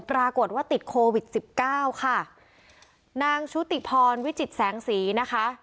ปรากฏว่าติดโควิดสิบเก้าค่ะนางชุติพรวิจิตแสงสีนะคะ